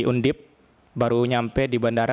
undip baru nyampe di bandara